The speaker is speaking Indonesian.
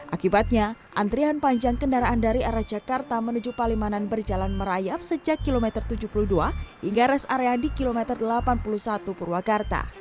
akibatnya antrian panjang kendaraan dari arah jakarta menuju palimanan berjalan merayap sejak kilometer tujuh puluh dua hingga res area di kilometer delapan puluh satu purwakarta